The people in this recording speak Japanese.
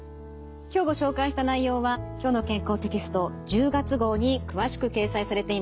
今日ご紹介した内容は「きょうの健康」テキスト１０月号に詳しく掲載されています。